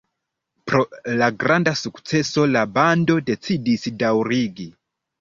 Pro la granda sukceso la bando decidis daŭrigi.